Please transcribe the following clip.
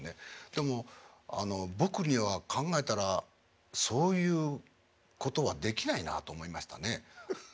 でも僕には考えたらそういうことはできないなあと思いましたね。